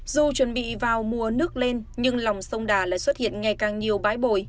dù chuẩn bị vào mùa nước lên nhưng lòng sông đà lại xuất hiện ngày càng nhiều bãi bồi